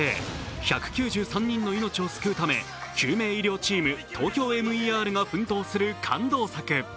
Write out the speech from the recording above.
１９３人の命を救うため、救命医療チーム、「ＴＯＫＹＯＭＥＲ」が奮闘する感動作。